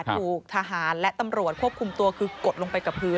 ถูกทหารและตำรวจควบคุมตัวคือกดลงไปกับพื้น